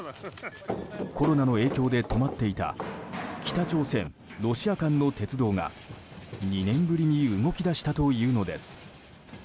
コロナの影響で止まっていた北朝鮮ロシア間の鉄道が２年ぶりに動き出したというのです。